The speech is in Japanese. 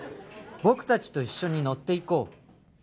「僕達と一緒に乗っていこう」